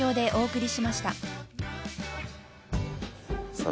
さあ